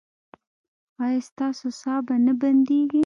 ایا ستاسو ساه به نه بندیږي؟